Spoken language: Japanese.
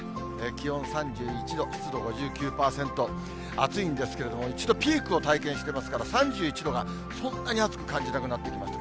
気温３１度、湿度５９％、暑いんですけれども、一度、ピークを体験していますから、３１度がそんなに暑く感じなくなってきました。